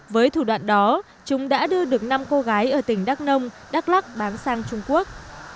với thủ đoạn đó chúng đã đưa được năm cô gái ở tỉnh đắk nông đắk lắc bán sang trung quốc